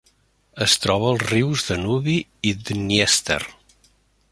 Es troba als rius Danubi i Dnièster.